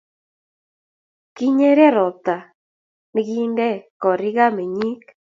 Kinyere robta ne kinte koriikab menyik